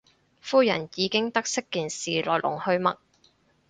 夫人已經得悉件事來龍去脈